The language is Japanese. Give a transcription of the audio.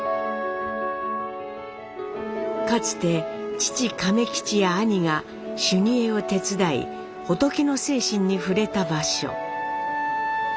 かつて父・亀吉や兄が修二会を手伝い仏の精神に触れた場所。